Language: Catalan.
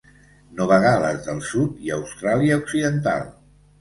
Nova Gal·les del Sud i Austràlia Occidental.